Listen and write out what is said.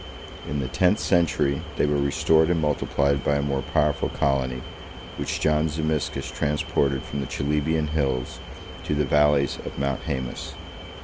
22 In the tenth century, they were restored and multiplied by a more powerful colony, which John Zimisces 23 transported from the Chalybian hills to the valleys of Mount Haemus.